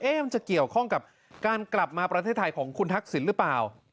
มันจะเกี่ยวข้องกับการกลับมาประเทศไทยของคุณทักษิณหรือเปล่า